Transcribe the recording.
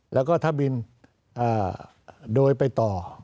แล้วก็ถ้าบินโดยไปต่อ